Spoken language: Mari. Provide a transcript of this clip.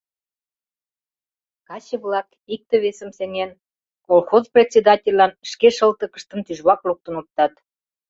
Каче-влак, икте-весым сеҥен, колхоз председательлан шке шылтыкыштым тӱжвак луктын оптат.